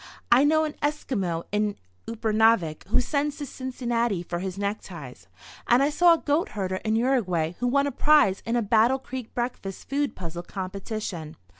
"I know an Esquimau in Upernavik who sends to Cincinnati for his neckties, and I saw a goat herder in Uruguay who won a prize in a Battle Creek breakfast food puzzle competition.